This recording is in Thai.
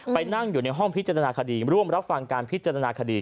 ไปนั่งอยู่ในห้องพิจารณาคดีร่วมรับฟังการพิจารณาคดี